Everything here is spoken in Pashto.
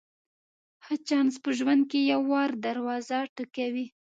ښه چانس په ژوند کې یو وار دروازه ټکوي.